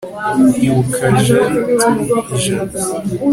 ibuka jari turi ijana